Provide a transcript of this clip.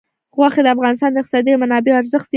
غوښې د افغانستان د اقتصادي منابعو ارزښت زیاتوي.